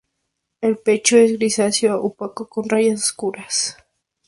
El pecho es grisáceo opaco con rayas oscuras.